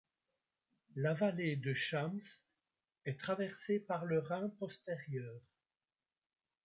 La vallée de Schams est traversée par le Rhin postérieur.